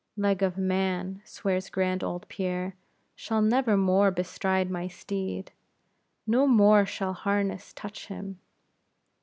Leg of man, swears grand old Pierre, shall never more bestride my steed; no more shall harness touch him!